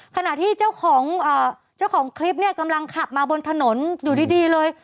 ขณะที่เจ้าของเจ้าของคลิปเนี่ยกำลังขับมาบนถนนอยู่ดีเลย